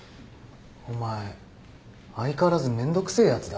お前相変わらずめんどくせえやつだな。